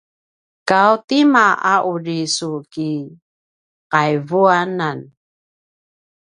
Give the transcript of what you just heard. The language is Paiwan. ’aw tima a uri su ki’aivuanan?